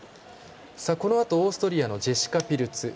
このあとオーストリアのジェシカ・ピルツ。